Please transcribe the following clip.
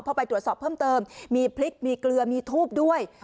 พอไปตรวจสอบเพิ่มเติมมีพริกมีเกลือมีทูบด้วย